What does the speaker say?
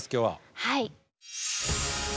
はい。